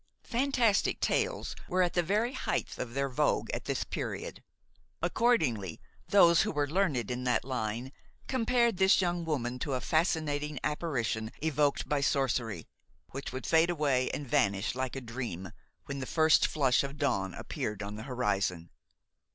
Fantastic tales were at the very height of their vogue at this period. Accordingly, those who were learned in that line compared this young woman to a fascinating apparition evoked by sorcery, which would fade away and vanish like a dream when the first flush of dawn appeared on the horizon.